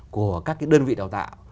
của các đơn vị đào tạo